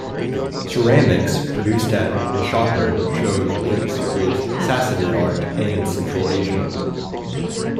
Ceramics produced at Nishapur showed links with Sassanid art and Central Asian.